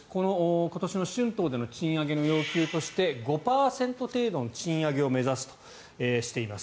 今年の春闘での賃上げの要求として５％程度の賃上げを目指すとしています。